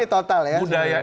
ini total ya